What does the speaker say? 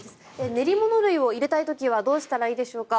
練り物類を入れたい時はどうしたらいいでしょうか。